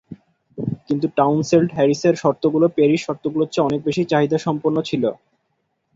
কিন্তু, টাউনসেন্ড হ্যারিসের শর্তগুলো পেরির শর্তগুলোর চেয়ে অনেক বেশি চাহিদাসম্পন্ন ছিল।